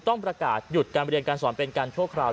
ต้องประกาศหยุดการเรียนการสอนเป็นการชั่วคราว